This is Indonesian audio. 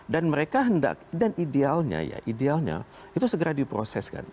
dan mereka hendak dan idealnya ya itu segera diproseskan